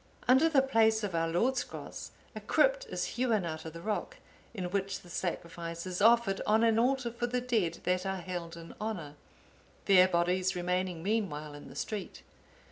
Under the place of our Lord's Cross, a crypt is hewn out of the rock, in which the Sacrifice is offered on an altar for the dead that are held in honour, their bodies remaining meanwhile in the street.